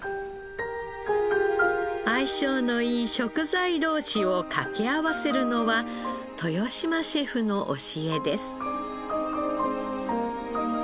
相性のいい食材同士をかけ合わせるのは豊嶋シェフの教えです。